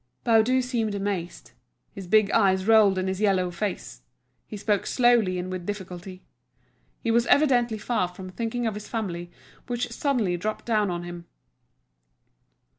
Baudu seemed amazed. His big eyes rolled in his yellow face; he spoke slowly and with difficulty. He was evidently far from thinking of this family which suddenly dropped down on him.